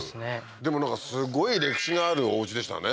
でもなんかすごい歴史があるおうちでしたね